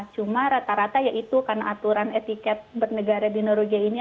cuma rata rata yaitu karena aturan etiket bernegara di noragia ini